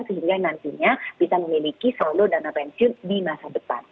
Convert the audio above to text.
sehingga nantinya bisa memiliki saldo dana pensiun di masa depan